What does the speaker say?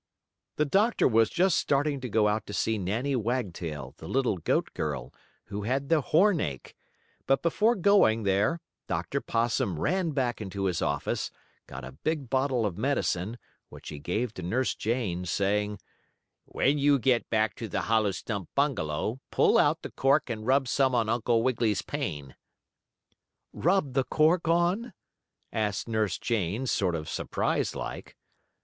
The doctor was just starting out to go to see Nannie Wagtail, the little goat girl, who had the hornache, but before going there Dr. Possum ran back into his office, got a big bottle of medicine, which he gave to Nurse Jane, saying: "When you get back to the hollow stump bungalow pull out the cork and rub some on Uncle Wiggily's pain." "Rub the cork on?" asked Nurse Jane, sort of surprised like.